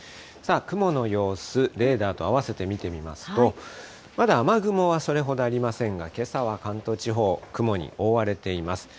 雲の様子、レーダーと合わせて見てみますと、まだ雨雲はそれほどありませんが、けさは関東地方、雲に覆われています。